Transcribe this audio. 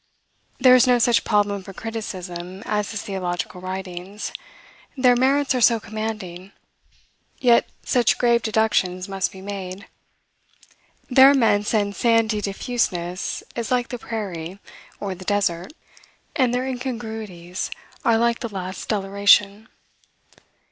There is no such problem for criticism as his theological writings, their merits are so commanding; yet such grave deductions must be made. Their immense and sandy diffuseness is like the prairie, or the desert, and their incongruities are like the last deliration.